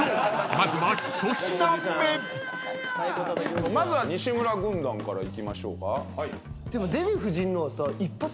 まずは西村軍団からいきましょうか。